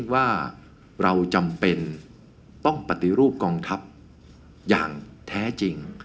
ว่าเราจำเป็นต้องปฏิรูปกองทัพอย่างแท้จริง